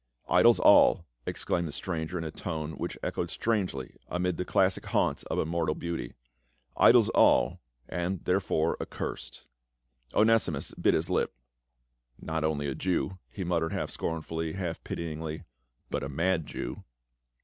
" Idols all !" exclaimed the stranger in a tone which echoed strangely amid the classic haunts of immortal beauty. " Idols all. and therefore accursed." A STRANGER JX ATHENS. 387 0n«5imus bit his lip. "Not only a Jew," he mut tered half scornfully, half pityingly, "but a mad Jew."